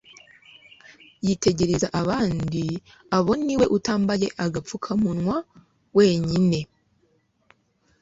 Yitegereza abandi abo niwe utambaye agapfuka munwa wenyine